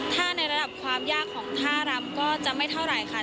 ถ้าในระดับความยากของท่ารำก็จะไม่เท่าไหร่ค่ะ